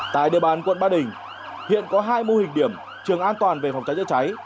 tại địa bàn quận ba đình hiện có hai mô hình điểm trường an toàn về phòng cháy chữa cháy